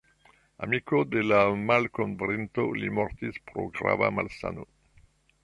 Amiko de la malkovrinto, li mortis pro grava malsano.